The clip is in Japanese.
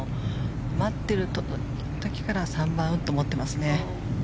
待っている時から３番ウッドを持ってますね。